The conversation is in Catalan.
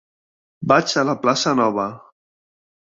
Vaig a la plaça Nova.